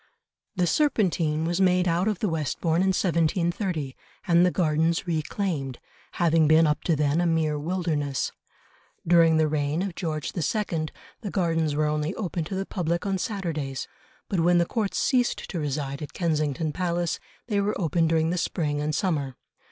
The Serpentine was made out of the Westbourne in 1730, and the gardens reclaimed, having been up to then a mere wilderness. During the reign of George II., the Gardens were only open to the public on Saturdays, but when the Court ceased to reside at Kensington Palace, they were open during the spring and summer.